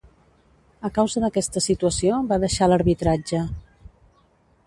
A causa d'aquesta situació, va deixar l'arbitratge.